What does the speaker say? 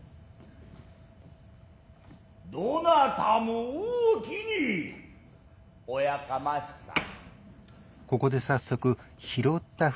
どなたも大きにおやかましさん。